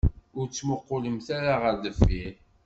Ur ttmuqulemt ara ɣer deffir.